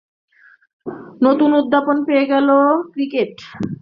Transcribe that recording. নতুন উদ্যাপন পেয়ে গেল ক্রিকেট।